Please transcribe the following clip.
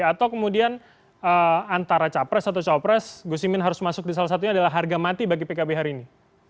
atau kemudian antara capres atau cawapres gus imin harus masuk di salah satunya adalah harga mati bagi pkb hari ini